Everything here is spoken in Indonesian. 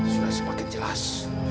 sudah semakin jelas